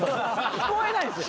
聞こえないんですよ。